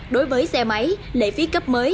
đối với xe máy lệ phí cấp mới